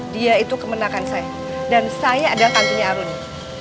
dia itu kemenakan saya dan saya adalah kantunya aruni